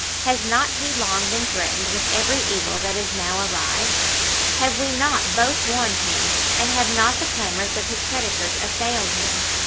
Has not he long been threatened with every evil that is now arrived? have we not both warned him, and have not the clamours of his creditors assailed him?